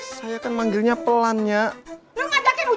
saya kan manggilnya pelan nyak